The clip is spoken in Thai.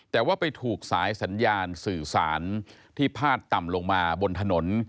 แต่ว่าไปถูกสายสัญญาณสื่อสารที่พาดต่ำลงมาบนถนน